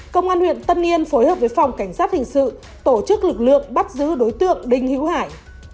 công an huyện tân yên phối hợp với phòng cảnh sát hình sự tổ chức lực lượng bắt giữ đối tượng đinh hữu hải